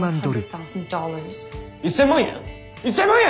１，０００万円！？